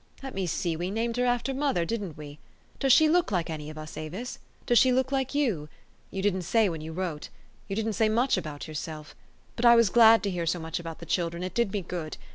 Let me see: we named her after mother, didn't we? Does she look like any of us, Avis? Does she look like you? You didn't say when }^ou wrote. You didn't say much about yourself. But I was glad to hear so much about the children. It did me good.